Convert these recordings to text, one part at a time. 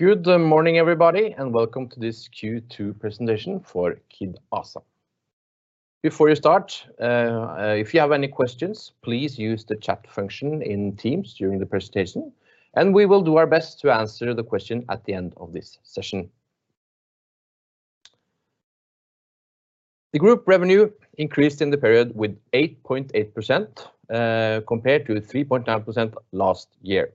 Good morning, everybody, and welcome to this Q2 presentation for Kid ASA. Before we start, if you have any questions, please use the chat function in Teams during the presentation, and we will do our best to answer the question at the end of this session. The group revenue increased in the period with 8.8%, compared to 3.9% last year.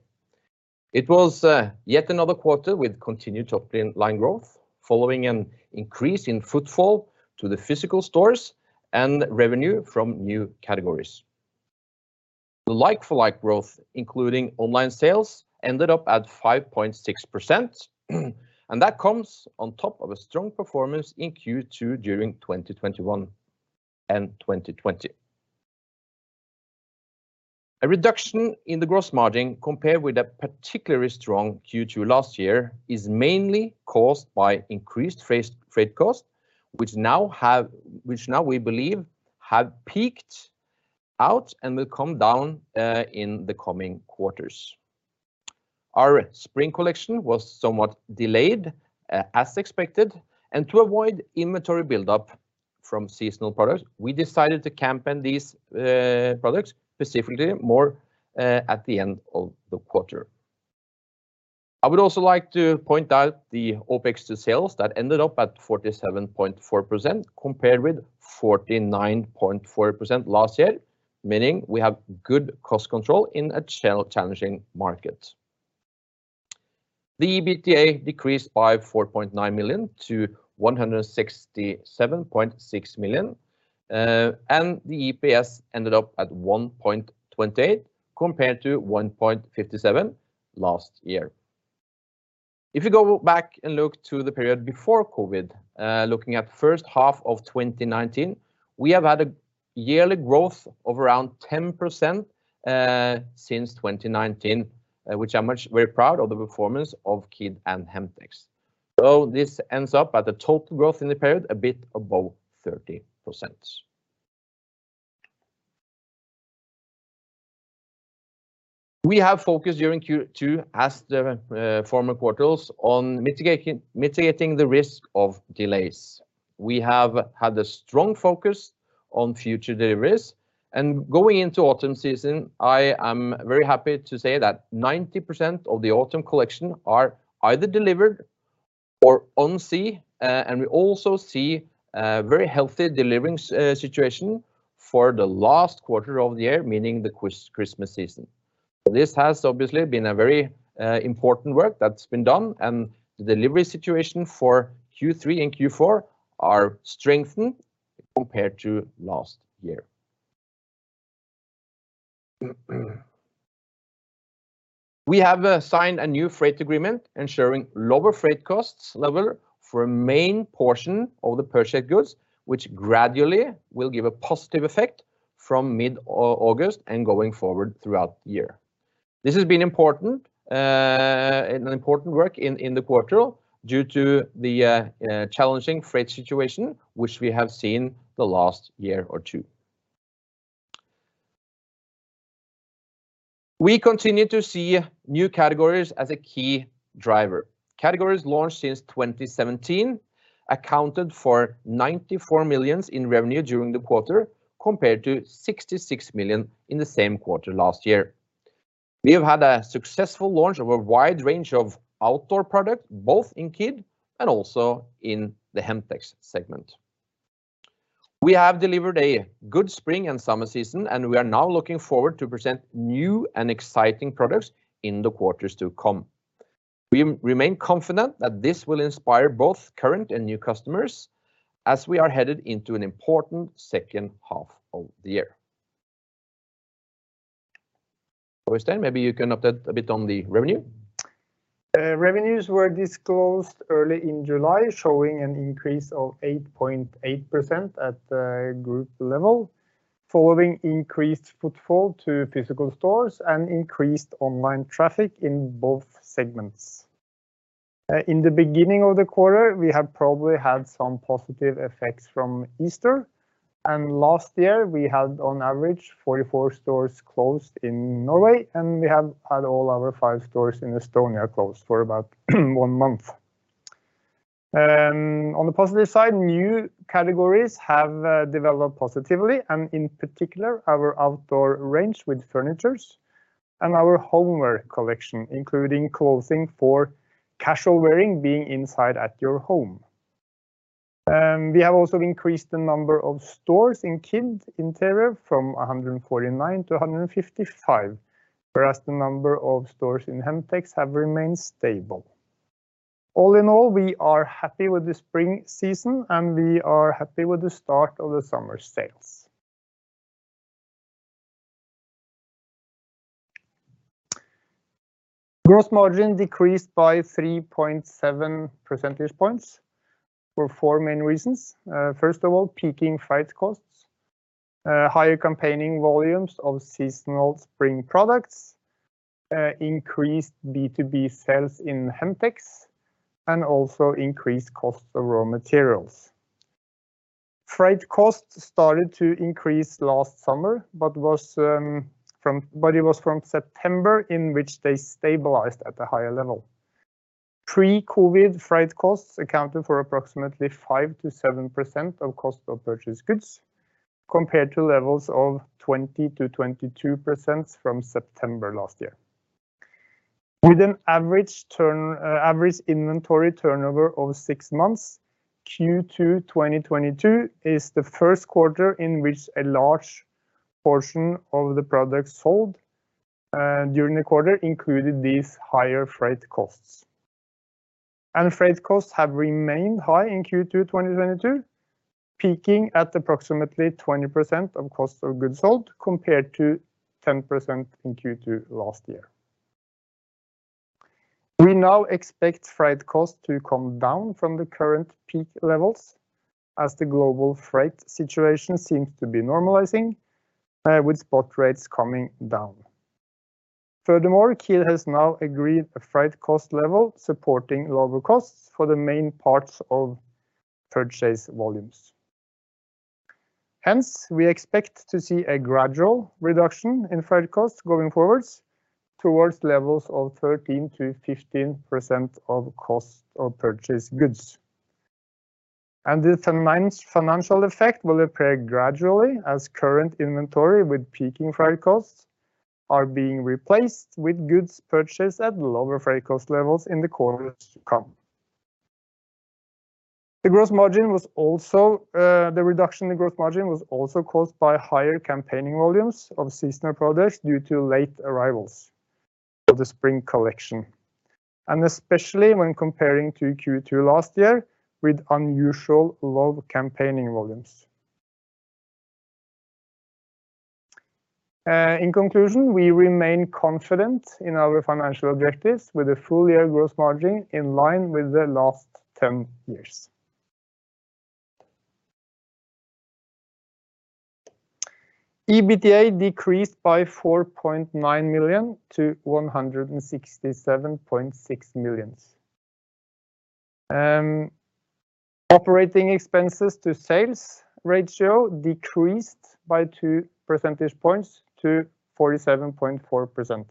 It was, yet another quarter with continued top line growth, following an increase in footfall to the physical stores and revenue from new categories. The like-for-like growth, including online sales, ended up at 5.6%, and that comes on top of a strong performance in Q2 during 2021 and 2020. A reduction in the gross margin compared with a particularly strong Q2 last year is mainly caused by increased freight cost, which now we believe have peaked out and will come down in the coming quarters. Our spring collection was somewhat delayed as expected, and to avoid inventory build-up from seasonal products, we decided to campaign these products specifically more at the end of the quarter. I would also like to point out the OPEX to sales that ended up at 47.4% compared with 49.4% last year, meaning we have good cost control in a challenging market. The EBITDA decreased by 4.9 million to 167.6 million, and the EPS ended up at 1.28 compared to 1.57 last year. If you go back and look to the period before COVID, looking at the first half of 2019, we have had a yearly growth of around 10%, since 2019, which I'm very proud of the performance of Kid and Hemtex. This ends up at the total growth in the period a bit above 30%. We have focused during Q2 as the former quarters on mitigating the risk of delays. We have had a strong focus on future deliveries. Going into autumn season, I am very happy to say that 90% of the autumn collection are either delivered or on sea, and we also see a very healthy delivery situation for the last quarter of the year, meaning the Christmas season. This has obviously been a very important work that's been done, and the delivery situation for Q3 and Q4 are strengthened compared to last year. We have assigned a new freight agreement ensuring lower freight costs level for a main portion of the purchased goods, which gradually will give a positive effect from mid-August and going forward throughout the year. This has been important, an important work in the quarter due to the challenging freight situation, which we have seen the last year or two. We continue to see new categories as a key driver. Categories launched since 2017 accounted for 94 million in revenue during the quarter, compared to 66 million in the same quarter last year. We have had a successful launch of a wide range of outdoor products, both in Kid and also in the Hemtex segment. We have delivered a good spring and summer season, and we are now looking forward to present new and exciting products in the quarters to come. We remain confident that this will inspire both current and new customers as we are headed into an important second half of the year. Eystein, maybe you can update a bit on the revenue. Revenues were disclosed early in July, showing an increase of 8.8% at the group level following increased footfall to physical stores and increased online traffic in both segments. In the beginning of the quarter, we have probably had some positive effects from Easter, and last year we had on average 44 stores closed in Norway, and we have had all our 5 stores in Estonia closed for about one month. On the positive side, new categories have developed positively, and in particular, our outdoor range with furniture and our homewear collection, including clothing for casual wearing, being inside at your home. We have also increased the number of stores in Kid Interior from 149-155, whereas the number of stores in Hemtex have remained stable. All in all, we are happy with the spring season, and we are happy with the start of the summer sales. Gross margin decreased by 3.7 percentage points for four main reasons. First of all, peaking freight costs, higher campaigning volumes of seasonal spring products, increased B2B sales in Hemtex, and also increased cost of raw materials. Freight costs started to increase last summer, but it was from September in which they stabilized at a higher level. Pre-COVID freight costs accounted for approximately 5%-7% of cost of purchased goods, compared to levels of 20%-22% from September last year. With an average inventory turnover of 6 months, Q2 2022 is the first quarter in which a large portion of the products sold during the quarter included these higher freight costs. Freight costs have remained high in Q2 2022, peaking at approximately 20% of cost of goods sold, compared to 10% in Q2 last year. We now expect freight costs to come down from the current peak levels as the global freight situation seems to be normalizing, with spot rates coming down. Furthermore, Kid has now agreed a freight cost level supporting lower costs for the main parts of purchased volumes. Hence, we expect to see a gradual reduction in freight costs going forward towards levels of 13%-15% of cost of purchased goods. This financial effect will appear gradually as current inventory with peaking freight costs are being replaced with goods purchased at lower freight cost levels in the quarters to come. The reduction in gross margin was also caused by higher campaign volumes of seasonal products due to late arrivals of the spring collection, and especially when comparing to Q2 last year with unusually low campaign volumes. In conclusion, we remain confident in our financial objectives with a full-year gross margin in line with the last 10 years. EBITDA decreased by 4.9 million to 167.6 million. Operating expenses-to-sales ratio decreased by 2 percentage points to 47.4%.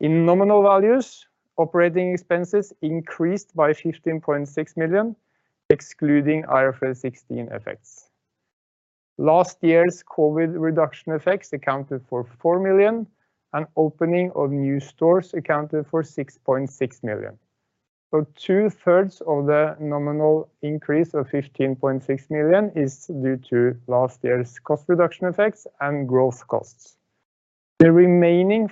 In nominal values, operating expenses increased by 15.6 million, excluding IFRS 16 effects. Last year's COVID reduction effects accounted for 4 million, and opening of new stores accounted for 6.6 million. Two-thirds of the nominal increase of 15.6 million is due to last year's cost reduction effects and growth costs. The remainng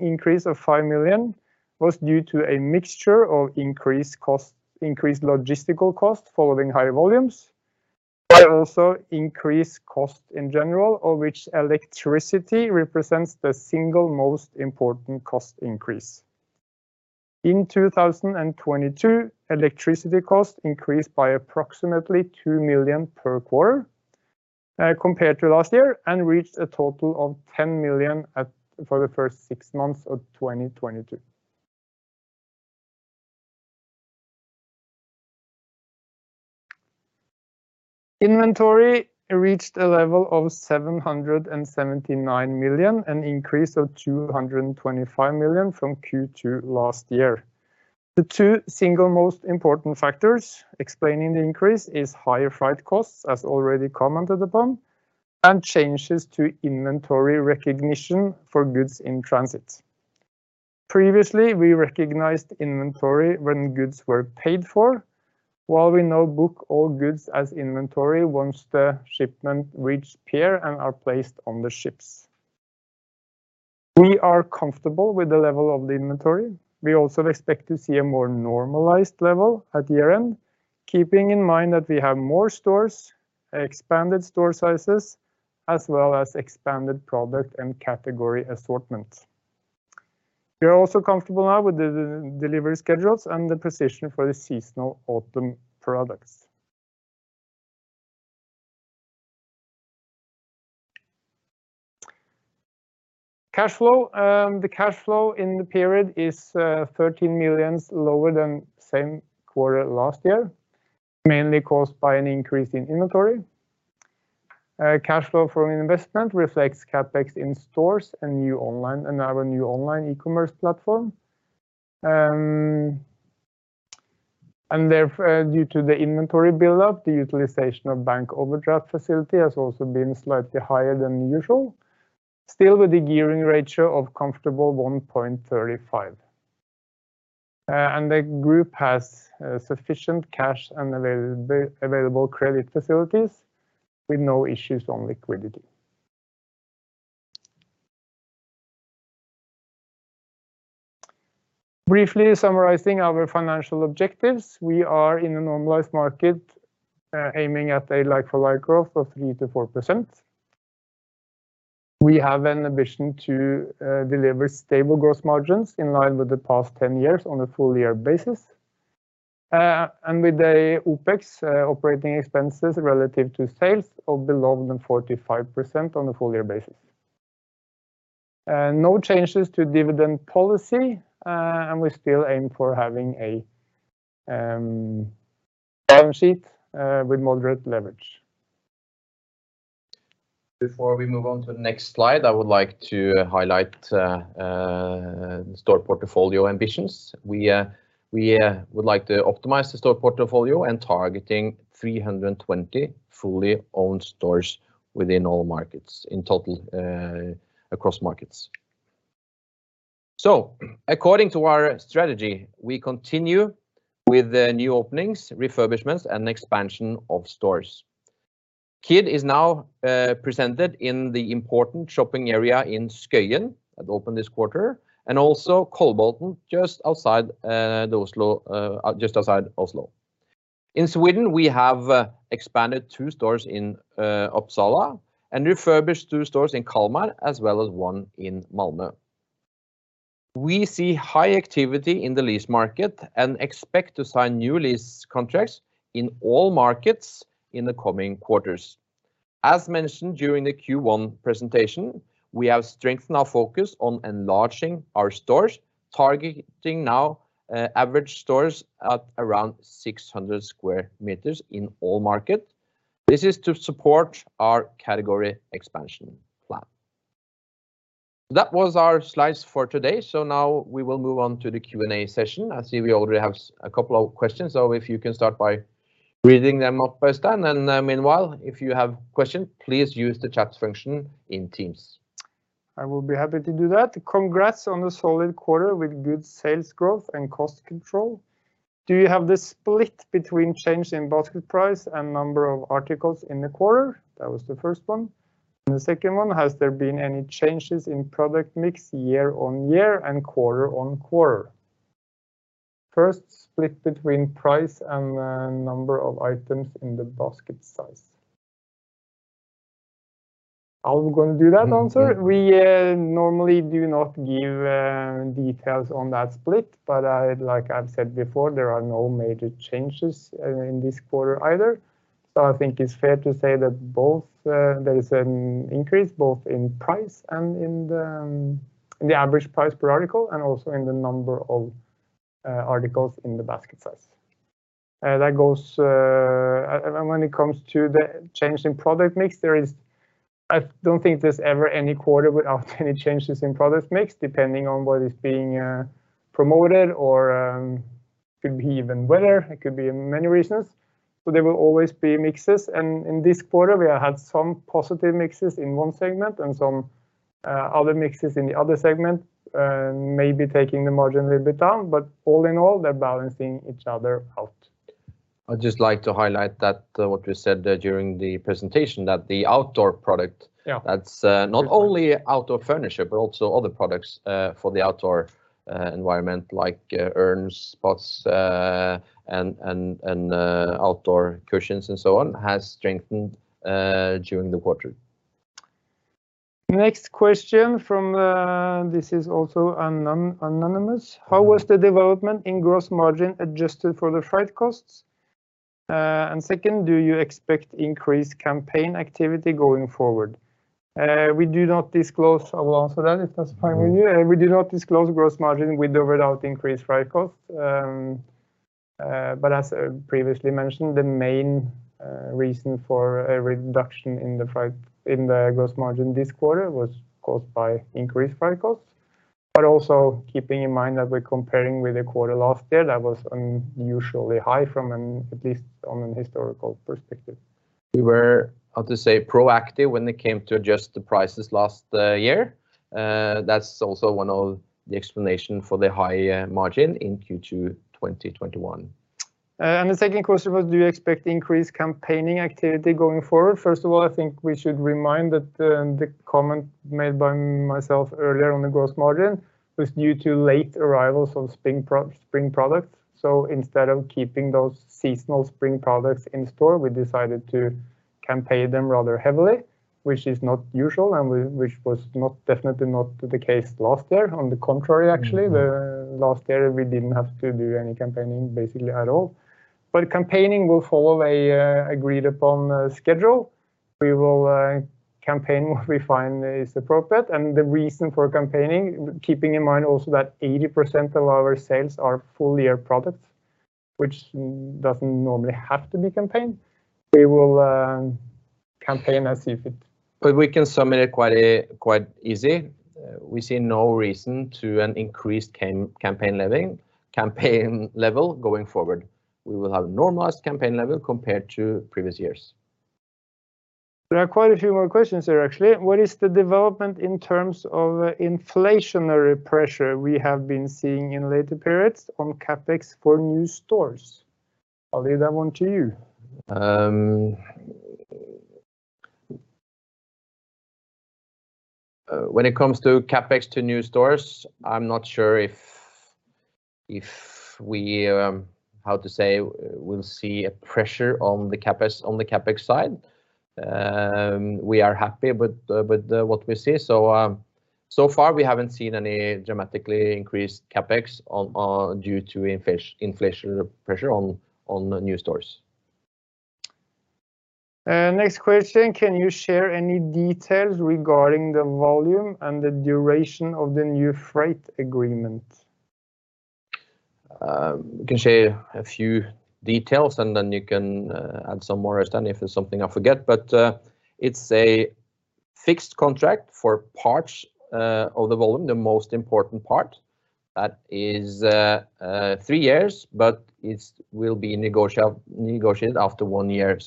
increase of 5 million was due to a mixture of increased costs, increased logistical costs following higher volumes, but also increased cost in general, of which electricity represents the single most important cost increase. In 2022, electricity costs increased by approximately 2 million per quarter, compared to last year and reached a total of 10 million for the first six months of 2022. Inventory reached a level of 779 million, an increase of 225 million from Q2 last year. The two single most important factors explaining the increase is higher freight costs, as already commented upon, and changes to inventory recognition for goods in transit. Previously, we recognized inventory when goods were paid for, while we now book all goods as inventory once the shipment reached pier and are placed on the ships. We are comfortable with the level of the inventory. We also expect to see a more normalized level at year-end, keeping in mind that we have more stores, expanded store sizes, as well as expanded product and category assortment. We are also comfortable now with the delivery schedules and the precision for the seasonal autumn products. Cash flow, the cash flow in the period is 13 million lower than same quarter last year, mainly caused by an increase in inventory. Cash flow from investment reflects CapEx in stores and our new online e-commerce platform. Therefore, due to the inventory build-up, the utilization of bank overdraft facility has also been slightly higher than usual. Still, with a gearing ratio of comfortable 1.35. The group has sufficient cash and available credit facilities with no issues on liquidity. Briefly summarizing our financial objectives, we are in a normalized market, aiming at a like-for-like growth of 3%-4%. We have an ambition to deliver stable gross margins in line with the past 10 years on a full-year basis. With the OPEX, operating expenses relative to sales of below 45% on a full-year basis. No changes to dividend policy, and we still aim for having a balance sheet with moderate leverage. Before we move on to the next slide, I would like to highlight the store portfolio ambitions. We would like to optimize the store portfolio and targeting 320 fully owned stores within all markets, in total, across markets. According to our strategy, we continue with the new openings, refurbishments, and expansion of stores. Kid is now presented in the important shopping area in Skøyen that opened this quarter, and also Kolbotn just outside Oslo. In Sweden, we have expanded two stores in Uppsala and refurbished two stores in Kalmar, as well as one in Malmö. We see high activity in the lease market and expect to sign new lease contracts in all markets in the coming quarters. As mentioned during the Q1 presentation, we have strengthened our focus on enlarging our stores, targeting now average stores at around 600 sq m in all market. This is to support our category expansion plan. That was our slides for today, so now we will move on to the Q&A session. I see we already have a couple of questions, so if you can start by reading them off, Eystein. Meanwhile, if you have question, please use the chat function in Teams. I will be happy to do that. Congrats on the solid quarter with good sales growth and cost control. Do you have the split between change in basket price and number of articles in the quarter? That was the first one. The second one, has there been any changes in product mix year-over-year and quarter-over-quarter? First, split between price and then number of items in the basket size. Are we gonna do that answer? We normally do not give detailson that split, but like I've said before, there are no major changes in this quarter either. I think it's fair to say that both there is an increase both in price and in the average price per article and also in the number of articles in the basket size. When it comes to the change in product mix, I don't think there's ever any quarter without any changes in product mix, depending on what is being promoted or could be even weather. It could be for many reasons, so there will always be mixes. In this quarter, we have had some positive mixes in one segment and some other mixes in the other segment, maybe taking the margin a little bit down, but all in all, they're balancing each other out. I'd just like to highlight that what we said there during the presentation, that the outdoor product. Yeah That's not only outdoor range, but also other products for the outdoor environment, like urns, pots, and outdoor cushions and so on, has strengthened during the quarter. Next question from, this is also anonymous. How was the development in gross margin adjusted for the freight costs? And second, do you expect increased campaign activity going forward? We do not disclose. I will answer that if that's fine with you. We do not disclose gross margin with or without increased freight costs. As previously mentioned, the main reason for a reduction in the gross margin this quarter was caused by increased freight costs, but also keeping in mind that we're comparing with the quarter last year that was unusually high from an historical perspective, at least. We were, how to say, proactive when it came to adjust the prices last year. That's also one of the explanation for the higher margin in Q2 2021. The second question was, do you expect increased campaigning activity going forward? First of all, I think we should remind that the comment made by myself earlier on the gross margin was due to late arrivals of spring products. Instead of keeping those seasonal spring products in store, we decided to campaign them rather heavily, which is not usual, and which was not, definitely not the case last year. On the contrary, actually. The last year, we didn't have to do any campaigning basically at all. Campaigning will follow an agreed-upon schedule. We will campaign what we find is appropriate, and the reason for campaigning, keeping in mind also that 80% of our sales are full-year products, which doesn't normally have to be campaigned, we will campaign as if it. We can sum it up quite easily. We see no reason for an increased campaign level going forward. We will have normalized campaign level compared to previous years. There are quite a few more questions there actually. What is the development in terms of inflationary pressure we have been seeing in later periods on CapEx for new stores? I'll leave that one to you. When it comes to CapEx to new stores, I'm not sure if we how to say will see a pressure on the CapEx side. We are happy with what we see. So far we haven't seen any dramatically increased CapEx due to inflationary pressure on new stores. Next question. Can you share any details regarding the volume and the duration of the new freight agreement? We can share a few details, and then you can add some more as needed if there's something I forget. It's a fixed contract for parts of the volume, the most important part that is three years, but it will be negotiated after one year.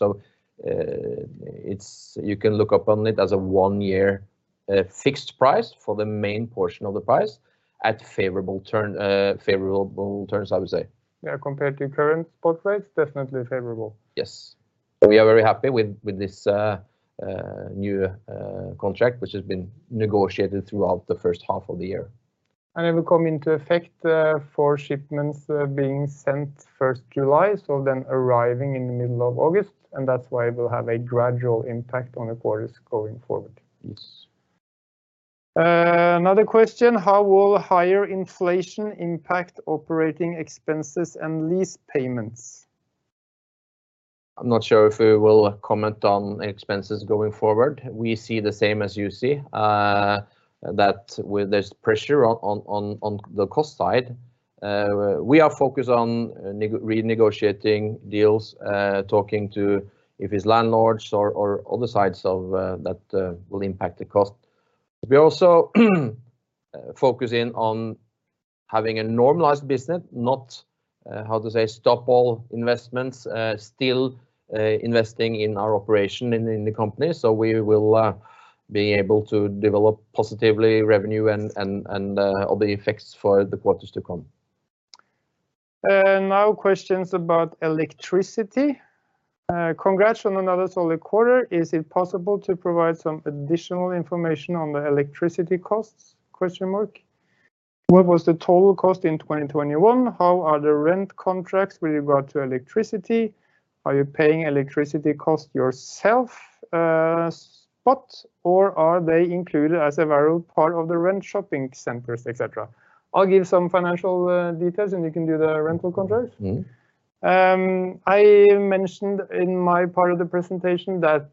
It's you can look upon it as a one-year fixed price for the main portion of the volume at favorable term, favorable terms, I would say. Yeah, compared to current spot rates, definitely favorable. Yes. We are very happy with this new contract, which has been negotiated throughout the first half of the year. It will come into effect for shipments being sent first July, so then arriving in the middle of August, and that's why it will have a gradual impact on the quarters going forward. Yes. Another question, how will higher inflation impact operating expenses and lease payments? I'm not sure if we will comment on expenses going forward. We see the same as you see, that there's pressure on the cost side. We are focused on renegotiating deals, talking to if it's landlords or other sides of that will impact the cost. We're also focusing on having a normalized business, not how to say stop all investments, still investing in our operation in the company. We will be able to develop positively revenue and all the effects for the quarters to come. Now questions about electricity. Congrats on another solid quarter. Is it possible to provide some additional information on the electricity costs? What was the total cost in 2021? How are the rent contracts with regard to electricity? Are you paying electricity costs yourself, spot, or are they included as a variable part of the rent shopping centers, et cetera? I'll give some financial details, and you can do the rental contracts. I mentioned in my part of the presentation that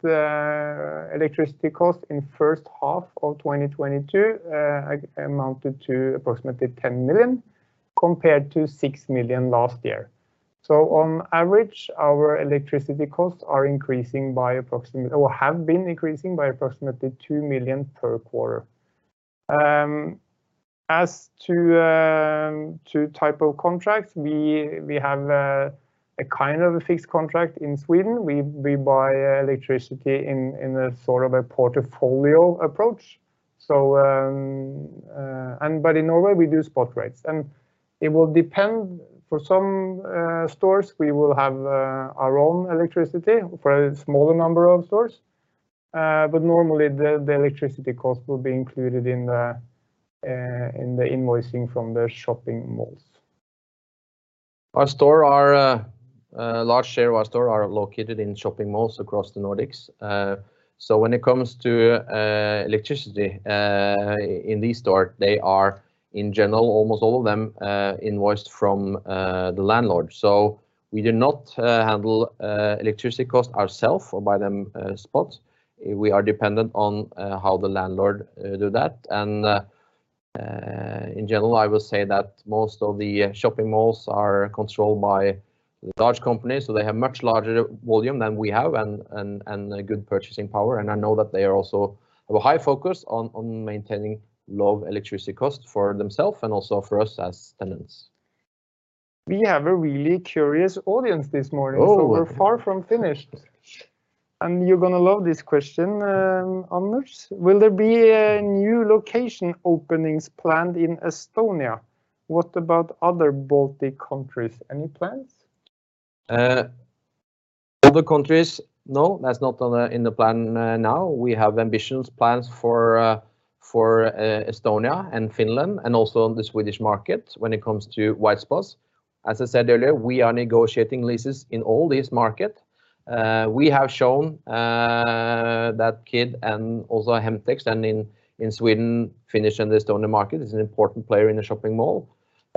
electricity costs in first half of 2022 amounted to approximately 10 million compared to 6 million last year. On average, our electricity costs are increasing by approximately or have been increasing by approximately 2 million per quarter. As to type of contracts, we have a kind of a fixed contract in Sweden. We buy electricity in a sort of a portfolio approach. But in Norway we do spot rates, and it will depend. For some stores, we will have our own electricity for a smaller number of stores. Normally the electricity cost will be included in the invoicing from the shopping malls. Our stores are a large share of our stores are located in shopping malls across the Nordics. When it comes to electricity in these stores, they are in general almost all of them invoiced from the landlord. We do not handle electricity costs ourselves or buy them spot. We are dependent on how the landlord does that. In general, I will say that most of the shopping malls are controlled by large companies, so they have much larger volume than we have and good purchasing power. I know that they also have a high focus on maintaining low electricity costs for themselves and also for us as tenants. We have a really curious audience this morning. We're far from finished. You're gonna love this question, Anders. Will there be a new location openings planned in Estonia? What about other Baltic countries? Any plans? Other countries, no. That's not in the plan now. We have ambitions, plans for Estonia and Finland and also on the Swedish market when it comes to white spots. As I said earlier, we are negotiating leases in all these market. We have shown that Kid and also Hemtex in Sweden, Finland and the Estonian market is an important player in the shopping mall.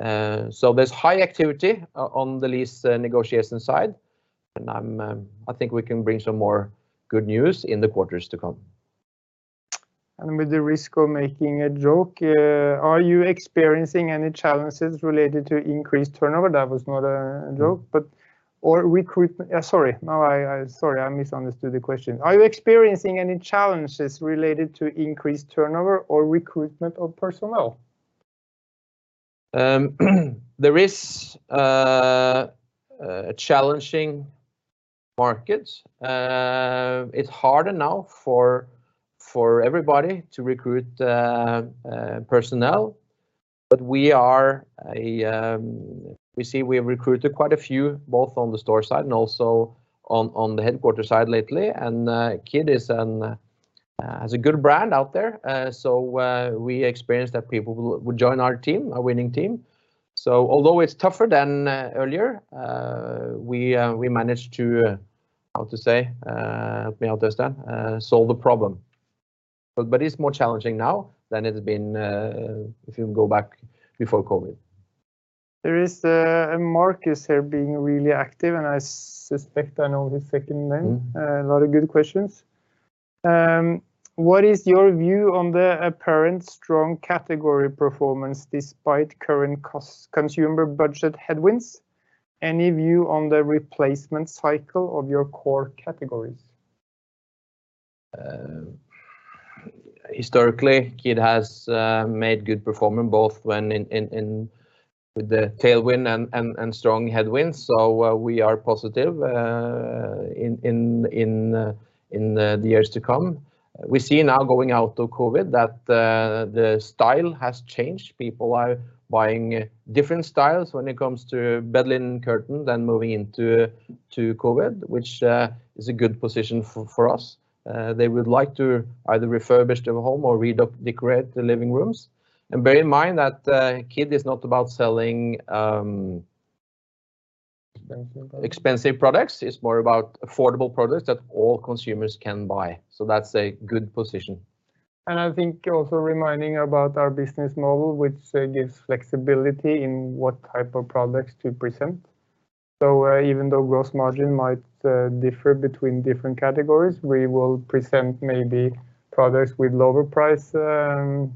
So there's high activity on the lease negotiation side, and I think we can bring some more good news in the quarters to come. With the risk of making a joke, are you experiencing any challenges related to increased turnover? That was not a joke, sorry. No, sorry, I misunderstood the question. Are you experiencing any challenges related to increased turnover or recruitment of personnel? There is a challenging market. It's harder now for everybody to recruit personnel. We see we have recruited quite a few, both on the store side and also on the headquarters side lately. Kid has a good brand out there. We experience that people will join our team, our winning team. Although it's tougher than earlier, we managed to, how to say, help me out, Eystein, solve the problem. It's more challenging now than it's been if you go back before COVID. There is a Marcus here being really active, and I suspect I know his second name. A lot of good questions. What is your view on the apparent strong category performance despite current consumer budget headwinds? Any view on the replacement cycle of your core categories? Historically, Kid has made good progress both with the tailwind and strong headwinds. We are positive in the years to come. We see now, going out of COVID, that the style has changed. People are buying different styles when it comes to bed linen, curtains, and homewear, which is a good position for us. They would like to either refurbish their home or redecorate the living rooms. Bear in mind that Kid is not about selling. Expensive products Expensive products. It's more about affordable products that all consumers can buy. That's a good position. I think also reminding about our business model, which gives flexibility in what type of products to present. Even though gross margin might differ between different categories, we will present maybe products with lower prices.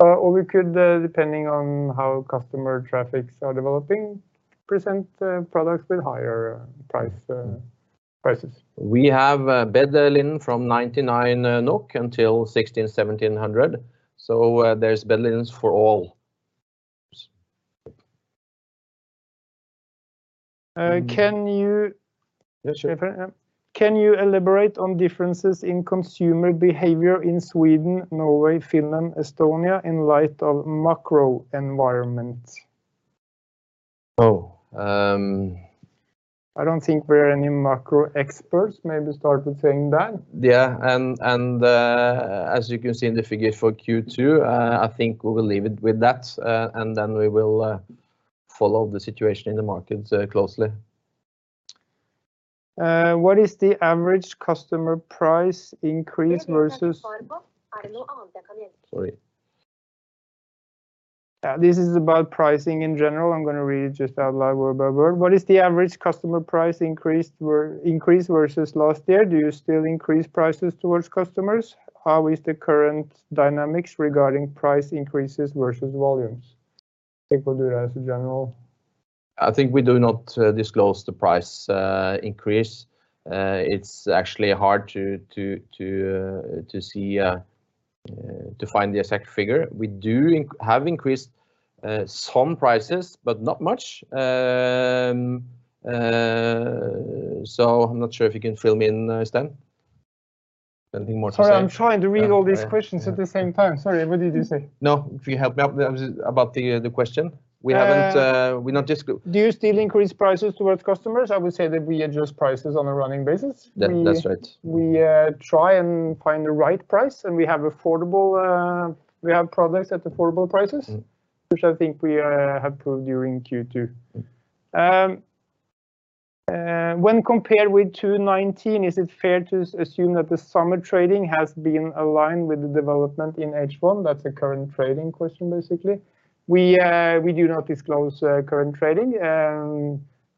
Or we could, depending on how customer traffics are developing, present products with higher prices. We have bed linen from 99 NOK until 1,600-1,700, so there's bed linens for all. Uh, can you- Yeah, sure. Can you elaborate on differences in consumer behavior in Sweden, Norway, Finland, Estonia, in light of macro environment? I don't think we're any macro experts. Maybe start with saying that. Yeah, as you can see in the figure for Q2, I think we will leave it with that. We will follow the situation in the markets closely. What is the average customer price increase versus- Sorry. This is about pricing in general. I'm gonna read just out loud word by word. What is the average customer price increase versus last year? Do you still increase prices towards customers? How is the current dynamics regarding price increases versus volumes? Think we'll do it as a general. I think we do not disclose the price increase. It's actually hard to find the exact figure. We do have increased some prices, but not much. I'm not sure if you can fill me in, Eystein. Anything more to say? Sorry, I'm trying to read all these questions at the same time. Sorry, what did you say? No, if you help me out about the question. We haven't, we're not disco- Do you still increase prices towards customers? I would say that we adjust prices on a running basis. That's right. We try and find the right price, and we have produts at affordable prices. which I think we have proved during Q2. When compared with 2019, is it fair to assume that the summer trading has been aligned with the development in H1? That's a current trading question, basically. We do not disclose current trading.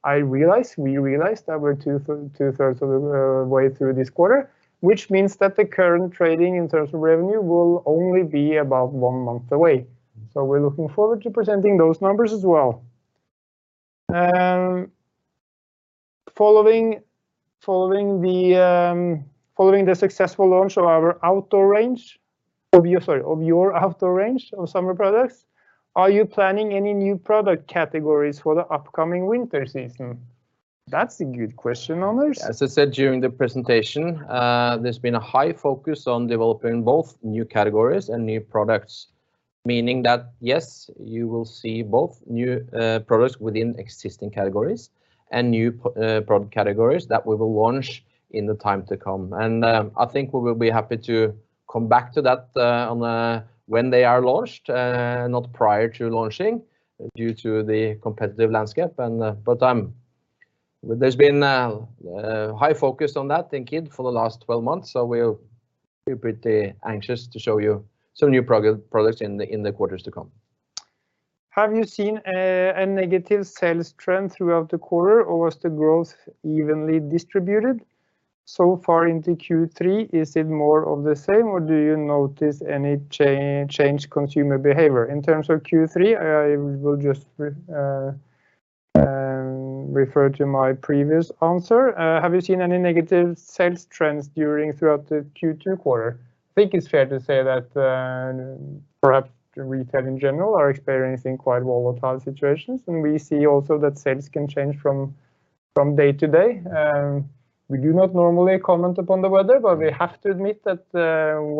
We realize that we're two-thirds of the way through this quarter, which means that the current trading in terms of revenue will only be about one month away, so we're looking forward to presenting those numbers as well. Following the successful launch of your outdoor range or summer products, are you planning any new product categories for the upoming winter season? That's a good question, Anders. As I said during the presentation, there's been a high focus on developing both new categories and new products, meaning that, yes, you will see both new products within existing categories and new product categories that we will launch in the time to come. I think we will be happy to come back to that on when they are launched, not prior to launching due to the competitive landscape. There's been a high focus on that in Kid for the last 12 months, so we're pretty anxious to show you some new products in the quarters to come. Have you seen a negative sales trend throughout the quarter, or was the growth evenly distributed? So far into Q3, is it more of the same, or do you notice any change in consumer behavior? In terms of Q3, I will just refer to my previous answer. Have you seen any negative sales trends throughout the Q2 quarter? I think it's fair to say that, perhaps retail in general are experiencing quite volatile situations, and we see also that sales can change from day to day. We do not normally comment upon the weather, but we have to admit that,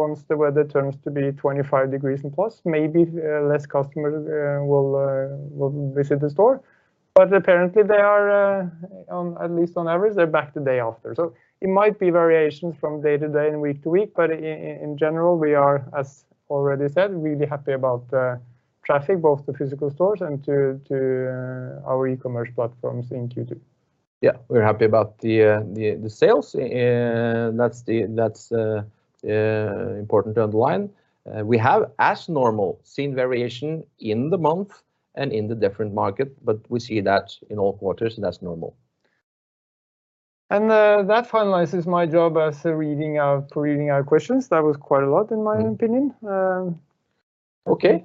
once the weather turns to be 25 degrees and plus, maybe, less customers will visit the store. Apparently they are, at least on average, they're back the day after. It might be variations from day to day and week to week, but in general, we are, as already said, really happy about traffic, both to physical stores and to our e-commerce platforms in Q2. Yeah, we're happy about the sales, that's important to underline. We have, as normal, seen variation in the month and in the different market, but we see that in all quarters, and that's normal. That finalizes my job as reading our questions. That was quite a lot in my opinion. Okay.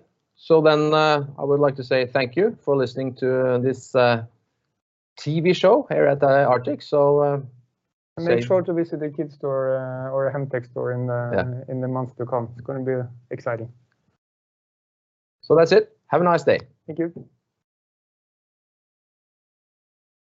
I would like to say thank you for listening to this TV show here at Arctic. Make sure to visit a Kid store, or a Hemtex store in, Yeah in the months to come. It's gonna be exciting. That's it. Have a nice day. Thank you.